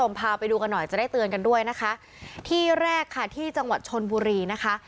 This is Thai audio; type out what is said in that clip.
พาไปดูกันหน่อยจะได้เตือนกันด้วยนะคะที่แรกค่ะที่จังหวัดชนบุรีนะคะ